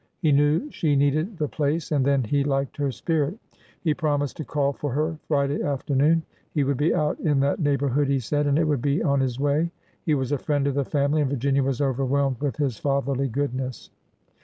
He knew she needed the place, and then he liked her spirit. He promised to call for her Friday afternoon. He would be out in that neigh borhood, he said, and it would be on his way. He was a friend of the family, and Virginia was overwhelmed with his fatherly goodness.